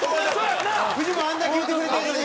フジモンあんだけ言うてくれてるのに。